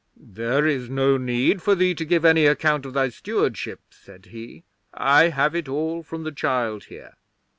'"There is no need for thee to give any account of thy stewardship," said he. "I have it all from the child here."